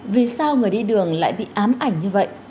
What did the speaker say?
vì sao người đi đường lại bị ám ảnh như vậy